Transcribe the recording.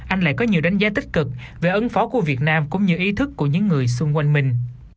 anh lại có nhiều đánh giá tích cực về ứng phó của việt nam cũng như ý thức của những người xung quanh mình